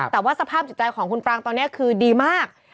แต่ว่าสภาพจิตใจของคุณปรางตอนนี้คือดีมาก